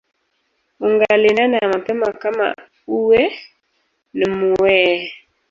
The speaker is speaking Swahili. Ungalinena mapema kama uwe n muee